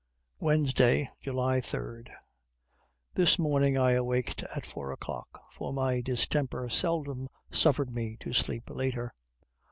Wednesday, July 3. This morning I awaked at four o'clock for my distemper seldom suffered me to sleep later.